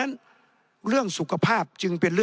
ในทางปฏิบัติมันไม่ได้